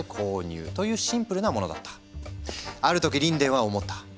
ある時リンデンは思った。